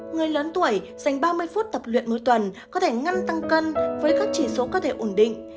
người lớn tuổi dành ba mươi phút tập luyện một tuần có thể ngăn tăng cân với các chỉ số cơ thể ổn định